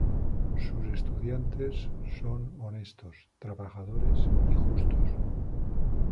Sus estudiantes son honestos, trabajadores y justos.